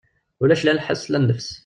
Ulac la lḥes la nnefs.